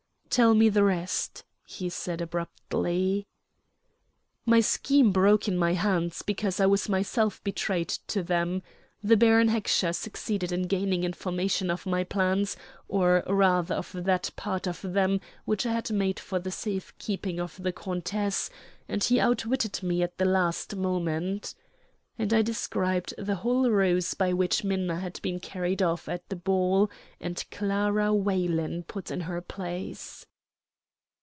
"Tell me the rest," he said abruptly. "My scheme broke in my hands, because I was myself betrayed to them. The Baron Heckscher succeeded in gaining information of my plans, or rather of that part of them which I had made for the safe keeping of the countess, and he outwitted me at the last moment," and I described the whole ruse by which Minna had been carried off at the ball and Clara Weylin put in her place.